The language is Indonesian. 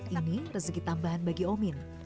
ini rezeki tambahan bagi omin